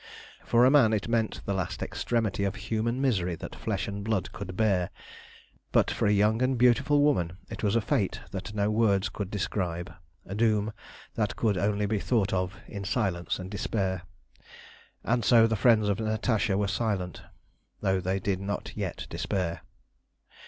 For a man it meant the last extremity of human misery that flesh and blood could bear, but for a young and beautiful woman it was a fate that no words could describe a doom that could only be thought of in silence and despair; and so the friends of Natasha were silent, though they did not yet despair.